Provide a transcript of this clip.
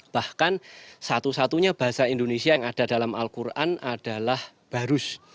bahkan satu satunya bahasa indonesia yang ada dalam al quran adalah barus